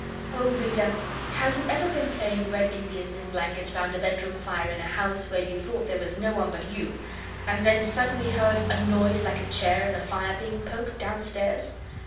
O reader, have you ever been playing Red Indians in blankets round a bedroom fire in a house where you thought there was no one but you and then suddenly heard a noise like a chair, and a fire being poked, downstairs?